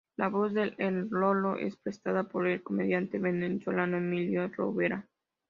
La voz de "Er Loro" es prestada por el comediante venezolano Emilio Lovera.